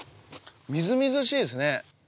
みずみずしいですね。